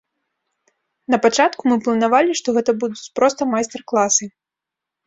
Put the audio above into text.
Напачатку мы планавалі, што гэта будуць проста майстар-класы.